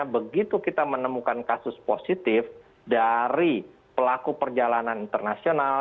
begitu kita menemukan kasus positif dari pelaku perjalanan internasional